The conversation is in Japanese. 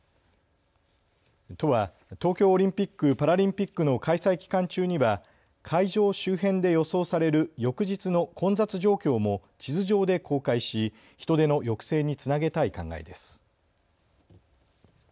都は東京オリンピック・パラリンピックの開催期間中には会場周辺で予想される翌日の混雑状況も地図上で公開し人出の抑制につなげたい考えです。